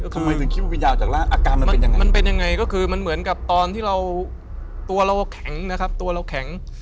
คือมันเป็นยังไงก็คือมันเหมือนกับตอนที่เราตัวเราแข็งนะครับตัวเราแข็ง